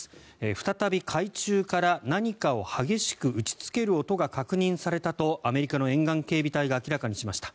再び海中から何かを激しく打ちつける音が確認されたとアメリカの沿岸警備隊が明らかにしました。